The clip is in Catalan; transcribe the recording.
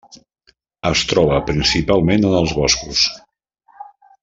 Es troba principalment en els boscos.